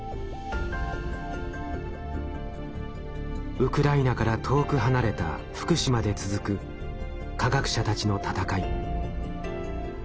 ウクライナから遠く離れた福島で続く科学者たちの闘い。